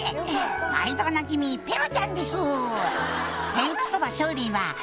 「毎度おなじみペロちゃんです」